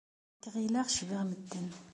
Nekk ɣileɣ cbiɣ medden.